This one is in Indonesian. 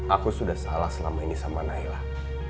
aku sudah salah selama ini sama naila